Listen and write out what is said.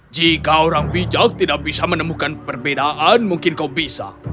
jika orang bijak tidak bisa menemukan perbedaan mungkin kau bisa